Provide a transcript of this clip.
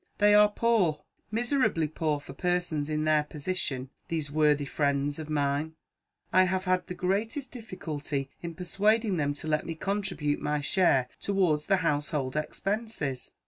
They are poor, miserably poor for persons in their position, these worthy friends of mine. I have had the greatest difficulty in persuading them to let me contribute my share towards the household expenses.